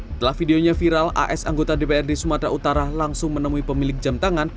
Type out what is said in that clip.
setelah videonya viral as anggota dprd sumatera utara langsung menemui pemilik jam tangan